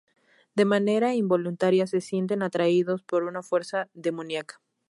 De manera involuntaria se sienten atraídos por una fuerza demoníaca.